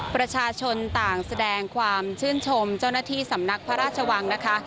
ประชาชนต่างแสดงความชื่นชมเจ้าหน้าที่สำนักพระราชวังนะคะ